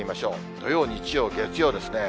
土曜、日曜、月曜ですね。